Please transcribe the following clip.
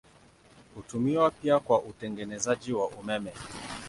Hutumiwa pia kwa utengenezaji wa umeme.